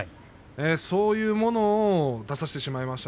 そういうものを出させてしまいました。